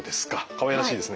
かわいらしいですね。